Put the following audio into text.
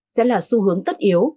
sẽ là xu hướng tất yếu